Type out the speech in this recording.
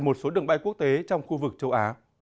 một số đường bay quốc tế trong khu vực châu á